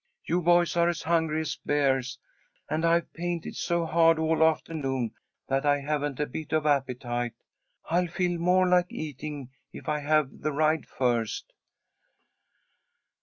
You boys are as hungry as bears, and I've painted so hard all afternoon that I haven't a bit of appetite. I'll feel more like eating if I have the ride first."